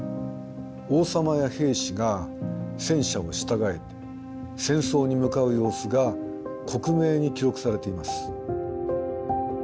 王様や兵士が戦車を従えて戦争に向かう様子が克明に記録されています。